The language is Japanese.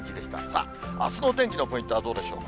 さあ、あすのお天気のポイントはどうでしょう。